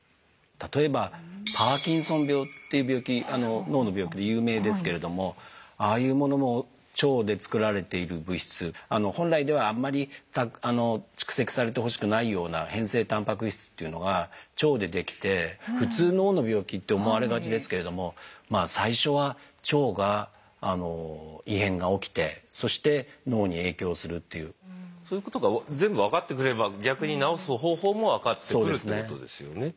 例えばパーキンソン病っていう病気脳の病気で有名ですけれどもああいうものも腸でつくられている物質本来ではあんまり蓄積されてほしくないような変性たんぱく質っていうのが腸でできて普通脳の病気って思われがちですけれどもまあ最初はそういうことが全部分かってくれば逆に治す方法も分かってくるっていうことですよね。